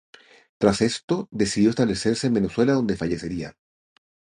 Tras esto, decidió establecerse en Venezuela donde fallecería.